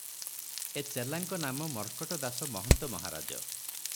ଏ ଚେଲାଙ୍କ ନାମ ମର୍କଟ ଦାସ ମହନ୍ତ ମହାରାଜ ।